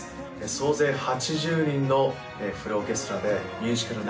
総勢８０人のフルオーケストラでミュージカルナンバー